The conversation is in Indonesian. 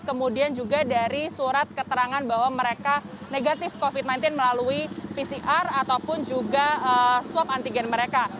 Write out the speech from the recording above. kemudian juga dari surat keterangan bahwa mereka negatif covid sembilan belas melalui pcr ataupun juga swab antigen mereka